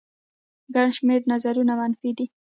ګڼ شمېر نظرونه منفي دي